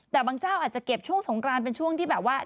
แต่บางเจ้าอาจจะเก็บช่วงสงกรานเป็นช่วงที่แบบว่า